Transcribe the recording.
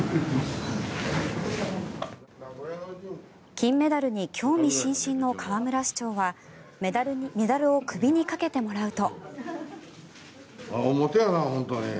金メダルに興味津々の河村市長はメダルを首にかけてもらうと。